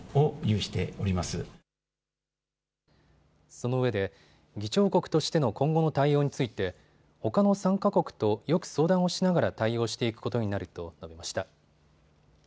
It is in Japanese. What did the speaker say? そのうえで議長国としての今後の対応についてほかの参加国とよく相談をしながら対応していくことになると述べました。